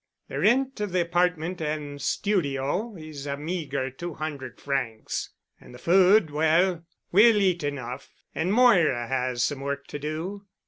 The rent of the apartment and studio is a meager two hundred francs and the food—well, we will eat enough. And Moira has some work to do.